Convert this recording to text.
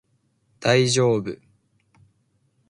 大丈夫